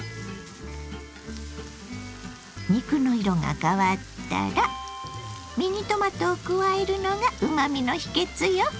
肉の色が変わったらミニトマトを加えるのがうまみの秘けつよ。